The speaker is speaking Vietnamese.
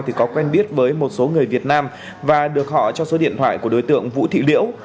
thì có quen biết với một số người việt nam và được họ cho số điện thoại của đối tượng vũ thị liễu